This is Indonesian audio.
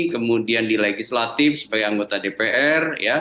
kemudian di legislatif sebagai anggota dpr